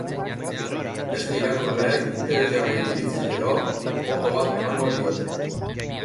Beste irakurleek interesgarri iritziz gero, boto bat emango diote.